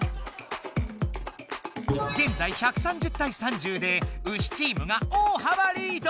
げんざい１３０対３０でウシチームが大はばリード！